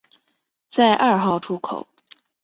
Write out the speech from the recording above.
在二号出口